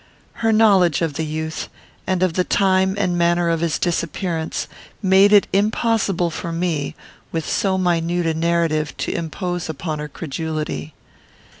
Her knowledge of the youth, and of the time and manner of his disappearance, made it impossible for me, with so minute a narrative, to impose upon her credulity.